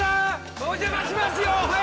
お邪魔しますよ！